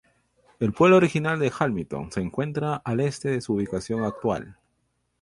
El pueblo original de Hamilton se encuentra al este de su ubicación actual.